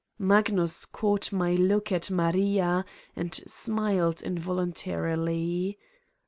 Magnus caught my look at Maria and smiled involuntarily.